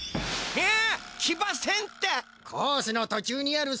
えっ！